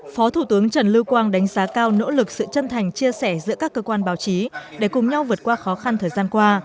phó thủ tướng trần lưu quang đánh giá cao nỗ lực sự chân thành chia sẻ giữa các cơ quan báo chí để cùng nhau vượt qua khó khăn thời gian qua